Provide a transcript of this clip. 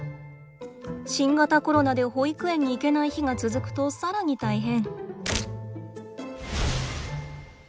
新型コロナで保育園に行けない日が続くと更に大変！